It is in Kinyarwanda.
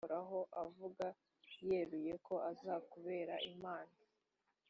merabu yarashyingiwe aduriyelib w i mehola